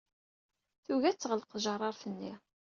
Tugi ad teɣleq tjeṛṛaṛt-nni.